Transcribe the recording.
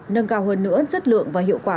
nâng cao hơn nữa chất lượng và hiệu quả